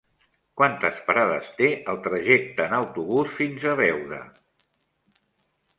Quantes parades té el trajecte en autobús fins a Beuda?